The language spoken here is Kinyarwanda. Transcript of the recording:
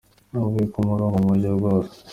Navuye ku murongo mu buryo bwose.